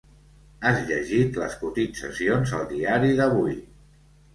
Has llegit les cotitzacions al diari d'avui.